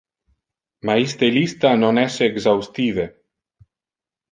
Ma iste lista non es exhaustive.